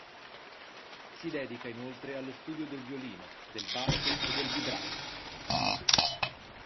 Si dedica inoltre allo studio del violino, del basso e del vibrafono.